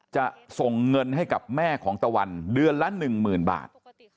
จะส่งเงินให้กับแม่ของตะวันเดือนละ๑๐๐๐บาท